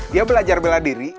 dia belajar bela diri